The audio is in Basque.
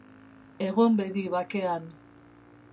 Egon bedi bakean.